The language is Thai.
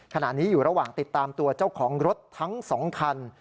ขณะนี้อยู่ระหว่างติดตามตัวเจ้าของรถทั้ง๒คัน